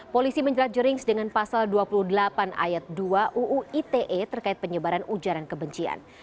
polisi menjerat jerings dengan pasal dua puluh delapan ayat dua uu ite terkait penyebaran ujaran kebencian